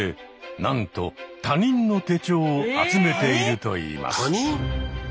なんと他人の手帳を集めているといいます。